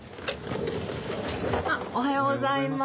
おはようございます。